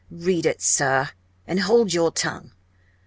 "Read it, sir! and hold your tongue!